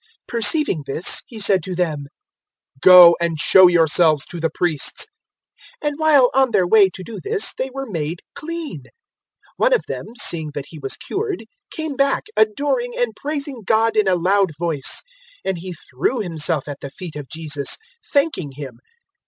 017:014 Perceiving this, He said to them, "Go and show yourselves to the Priests." And while on their way to do this they were made clean. 017:015 One of them, seeing that he was cured, came back, adoring and praising God in a loud voice, 017:016 and he threw himself at the feet of Jesus, thanking Him.